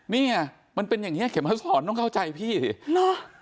เนี่ยมันเป็นอย่างเงี้เข็มมาสอนต้องเข้าใจพี่สิเหรอ